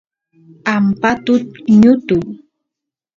ampatut ñutuy